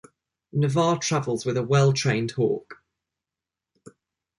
Navarre travels with a well-trained hawk.